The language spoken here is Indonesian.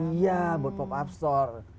iya buat pop up store